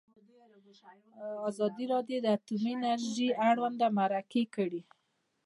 ازادي راډیو د اټومي انرژي اړوند مرکې کړي.